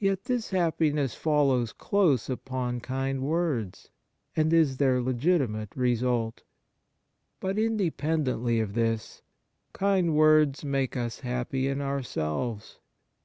Yet this happiness follows close upon kind words, and is their legitimate result. But, independently of this, kind words make us happy in ourselves.